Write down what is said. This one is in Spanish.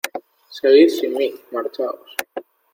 Seguid sin mí. Marchaos .